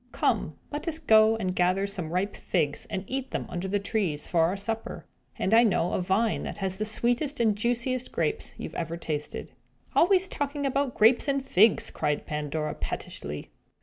Come, let us go and gather some ripe figs, and eat them under the trees, for our supper. And I know a vine that has the sweetest and juiciest grapes you ever tasted." "Always talking about grapes and figs!" cried Pandora, pettishly.